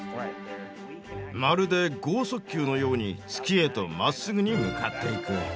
まるで剛速球のように月へとまっすぐに向かっていく。